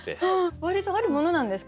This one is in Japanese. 割とあるものなんですか？